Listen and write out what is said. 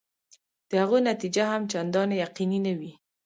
د هغو نتیجه هم چنداني یقیني نه وي.